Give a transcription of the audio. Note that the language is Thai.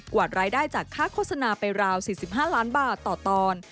วาดรายได้จากค่าโฆษณาไปราว๔๕ล้านบาทต่อตอน